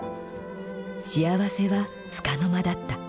幸せは束の間だった。